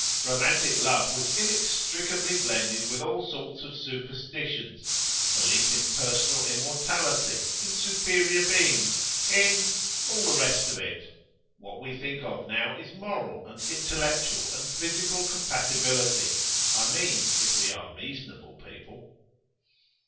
Romantic love was inextricably blended with all sorts of superstitions belief in personal immortality, in superior beings, in all the rest of it. What we think of now is moral and intellectual and physical compatibility; I mean, if we are reasonable people.